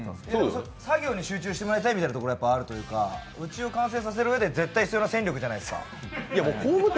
作業に集中してもらいたいというところがあるというか、うちを完成させるうえで、絶対必要な戦力じゃないですか。